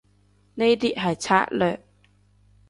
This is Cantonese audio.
呢啲係策略